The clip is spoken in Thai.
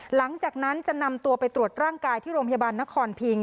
หลังจากนั้นจะนำตัวไปตรวจร่างกายที่โรงพยาบาลนครพิง